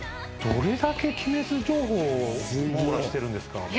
どれだけ『鬼滅』情報を網羅してるんですか。